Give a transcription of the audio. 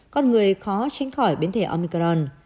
con người khó tránh khỏi biến thể omicron